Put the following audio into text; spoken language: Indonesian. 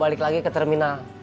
balik lagi ke terminal